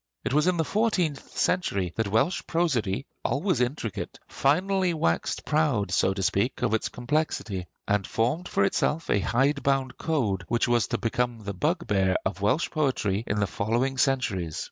It was in the fourteenth century that Welsh prosody, always intricate, finally waxed proud, so to speak, of its complexity, and formed for itself a hide bound code which was to become the bugbear of Welsh poetry in the following centuries.